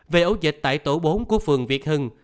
về ấu dịch tại tổ bốn của phường việt hưng